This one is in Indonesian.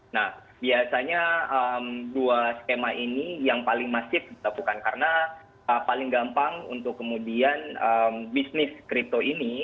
nah biasanya dua skema ini yang paling masif dilakukan karena paling gampang untuk kemudian bisnis crypto ini